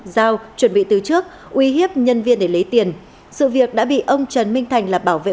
giao chuẩn bị từ trước uy hiếp nhân viên để lấy tiền sự việc đã bị ông trần minh thành là bảo vệ